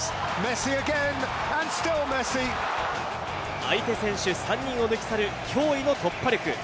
相手選手３人を抜き去る驚異の突破力。